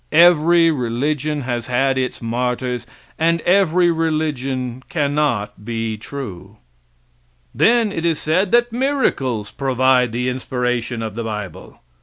Every religion has had its martyrs, and every religion cannot be true. Then it is said that miracles prove the inspiration of the bible.